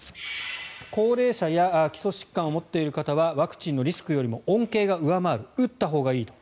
高齢者や基礎疾患を持っている方はワクチンのリスクよりも恩恵が上回る打ったほうがいいと。